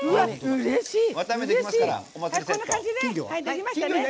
うれしい！